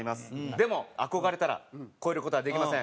でも憧れたら超える事はできません。